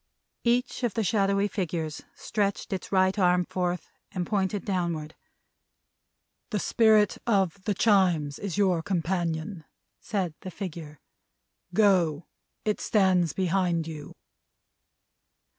Each of the shadowy figures stretched its right arm forth, and pointed downward. "The Spirit of the Chimes is your companion," said the figure. "Go! It stands behind you!"